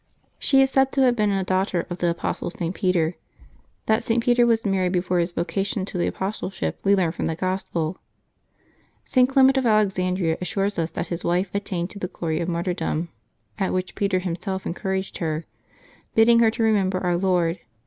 She is said to have been a daugh ter of the apostle St. Peter; that St. Peter was married before his vocation to the apostleship we learn from the Gospel. St. Clement of Alexandria assures us that his wife attained to the glory of martyrdom, at which Peter himself encouraged her, bidding her to remember Our Lord.